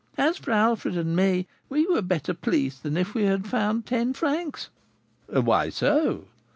As for Alfred and me, we were better pleased than if we had found ten francs." "Why so?"